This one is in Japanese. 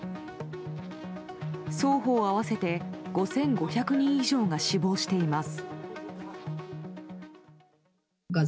双方合わせて５５００人以上が死亡しています。